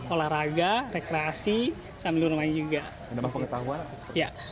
olahraga rekreasi sambil bermain juga